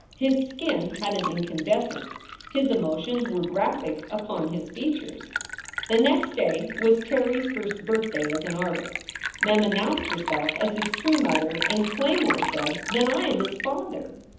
His skin had an incandescence. His emotions were graphic upon his features. The next day was Terry s first birthday as an artist. Mem announced herself as his true mother, and Claymore said, "Then I am his father!"